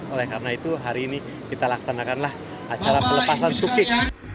oleh karena itu hari ini kita laksanakanlah acara pelepasan tukik